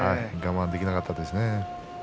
我慢できなかったですかね。